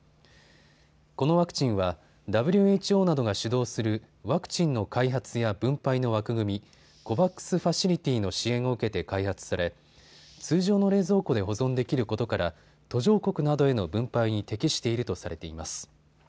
このワクチンはＷＨＯなどが主導するワクチンの開発や分配の枠組み、ＣＯＶＡＸファシリティの支援を受けて開発され通常の冷蔵庫で保存できることから途上国などへの分配に適しているとされています。